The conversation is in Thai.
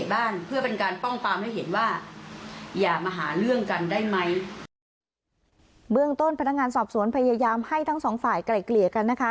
เบื้องต้นพนักงานสอบสวนพยายามให้ทั้งสองฝ่ายไกลเกลี่ยกันนะคะ